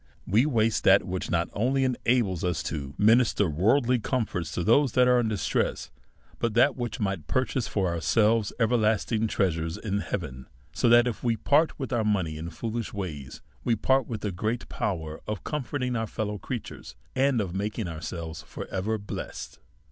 We waste that which not only enables us to minister worldly comforts to those that are in distress, but that which might purchase for ourselves everksthig trea sures in heaven. So that, if we part with our money in foolish ways, we part with a great p(>v> er of com forting our fellow creatures, and of making ourselves for ever blessed.